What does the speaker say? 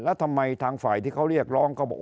แล้วทำไมทางฝ่ายที่เขาเรียกร้องเขาบอก